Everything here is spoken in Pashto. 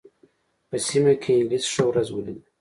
په سیمه کې انګلیس ښه ورځ ولېده.